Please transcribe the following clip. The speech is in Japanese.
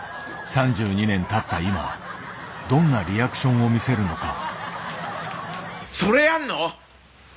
３２年たった今どんなリアクションを見せるのか。